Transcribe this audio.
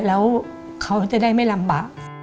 แล้วเขาจะได้ไม่ลำบาก